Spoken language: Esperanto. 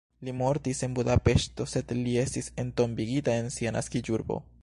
Li mortis en Budapeŝto, sed li estis entombigita en sia naskiĝurbo.